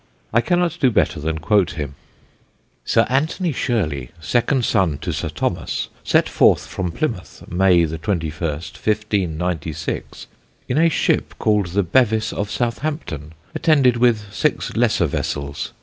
I cannot do better than quote him: "SIR ANTHONY SHIRLEY, second Son to Sir Thomas, set forth from Plimouth, May the 21st, 1596, in a Ship called the Bevis of Southampton, attended with six lesser vessels.